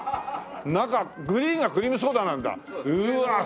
中グリーンがクリームソーダなんだ。